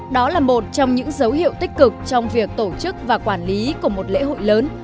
đó là một trong những dấu hiệu tích cực trong việc tổ chức và quản lý của một lễ hội lớn